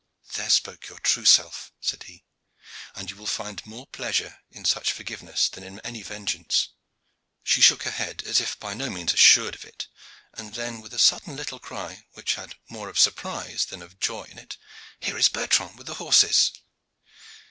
"There spoke your true self," said he; "and you will find more pleasure in such forgiveness than in any vengeance." She shook her head, as if by no means assured of it, and then with a sudden little cry, which had more of surprise than of joy in it, "Here is Bertrand with the horses!"